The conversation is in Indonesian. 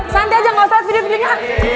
santai aja gak usah lihat video videonya